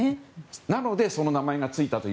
なのでその名前がついたという。